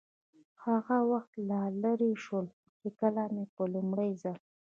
هغه وخت لا لرې شول، چې کله مې په لومړي ځل.